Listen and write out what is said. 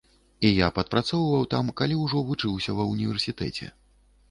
Я і падпрацоўваў там, калі ўжо вучыўся ва ўніверсітэце.